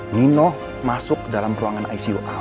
nino masuk dalam ruangan icu al